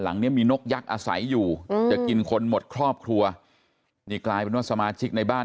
หลังนี้มีนกยักษ์อาศัยอยู่จะกินคนหมดครอบครัวสมาชิกในบ้าน